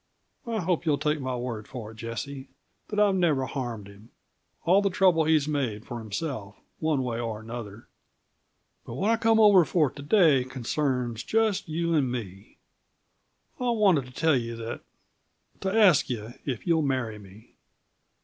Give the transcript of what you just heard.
I hope you'll take my word for it, Jessie, that I've never harmed him; all the trouble he's made for himself, one way and another. "But what I came over for to day concerns just you and me. I wanted to tell you that to ask you if you'll marry me.